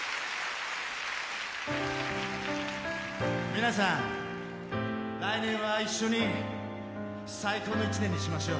皆さん、来年は一緒に最高の１年にしましょう。